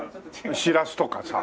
しらすとかさ。